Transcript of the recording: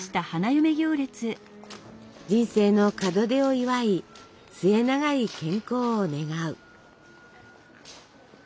人生の門出を祝い末永い健康を願う。